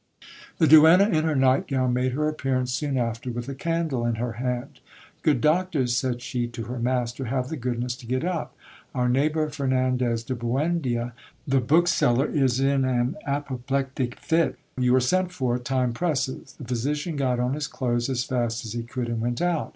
The duenna, in her night gown, made her appearance soon after, with a candle in her hand — Good doctor; said she to her master, have the goodness to get up. Our neighbour Fernandez de Buendia, the bookseller, is in an apo plectic fit : you are sent for ; time presses. The physician got on his clothes as fast as he could, and went out.